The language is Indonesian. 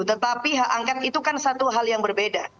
tetapi hak angket itu kan satu hal yang berbeda